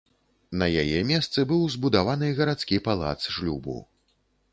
На яе месцы быў збудаваны гарадскі палац шлюбу.